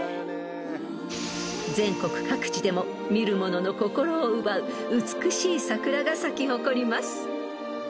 ［全国各地でも見るものの心を奪う美しい桜が咲き誇ります］